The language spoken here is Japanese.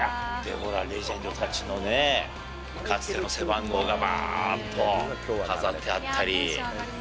ほら、レジェンドたちのね、かつての背番号が、ばーっと飾ってあったり。